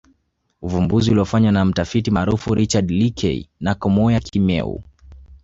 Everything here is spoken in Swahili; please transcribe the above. Uvumbuzi uliofanywa na mtafiti maarufu Richard Leakey na Kamoya Kimeu